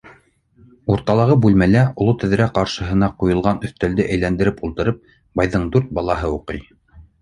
Урталағы бүлмәлә, оло тәҙрә ҡаршыһына ҡуйылған өҫтәлде әйләндереп ултырып, байҙың дүрт балаһы уҡый.